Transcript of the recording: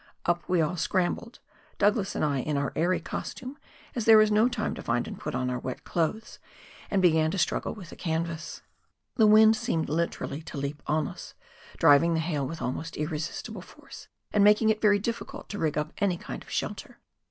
Up we all scrambled, Douglas and I in our airy costume, as there was no time to find and put on our wet clothes, and began to struggle with the canvas. The wind seemed literally to leap on us, driving the hail with almost irresistible force, and making it very diJEcult to rig up any kind of shelter.